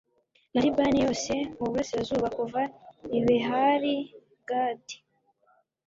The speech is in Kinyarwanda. na libani yose mu burasirazuba, kuva i behali gadi